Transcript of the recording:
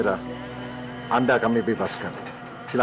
dapat hati hati sama ada